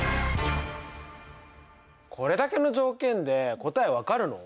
これだけの条件で答え分かるの？